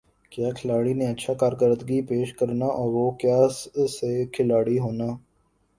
کَیا کھلاڑی نے اچھی کارکردگی پیش کرنا اور وُہ کَیا سے کھلاڑی ہونا